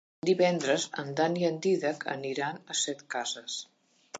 Divendres en Dan i en Dídac aniran a Setcases.